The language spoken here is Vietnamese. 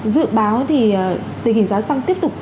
dự báo thì tình hình giáo xăng tiếp tục